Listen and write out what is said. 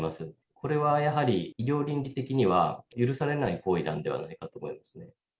これはやはり、医療倫理的には許されない行為なんではないかと思いますね。